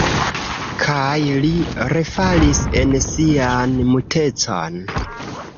Kaj li refalis en sian mutecon.